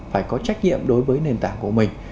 phải có trách nhiệm đối với nền tảng của mình